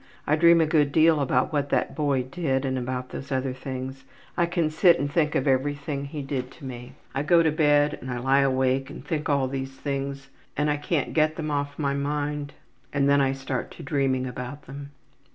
I dream a good deal about what that boy did and about these other things. I can sit and think of everything he did to me. I go to bed and I lie awake and think all these things and I can't get them off my mind and then I start to dreaming about them.